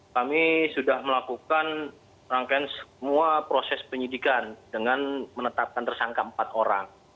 kami sudah melakukan rangkaian semua proses penyidikan dengan menetapkan tersangka empat orang